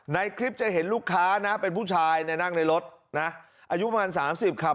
ในคลิปจะเห็นลูกค้านะเป็นผู้ชายเนี่ยนั่งในรถนะอายุประมาณ๓๐ครับ